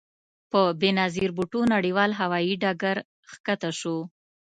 په بې نظیر بوټو نړیوال هوايي ډګر کښته شوو.